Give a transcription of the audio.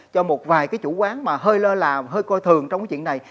cho một vài cái chủ quán mà hơi lơ là hơi coi thường trong cái chuyện này